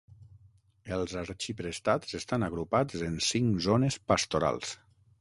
Els arxiprestats estan agrupats en cinc zones pastorals.